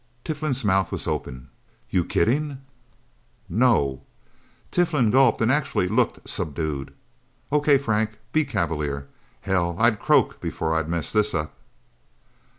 Tiflin's mouth was open. "You kidding?" "No!" Tiflin gulped, and actually looked subdued. "Okay, Frank. Be cavalier. Hell, I'd croak before I'd mess this up...!"